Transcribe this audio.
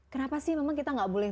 kenapa sih memang kita nggak boleh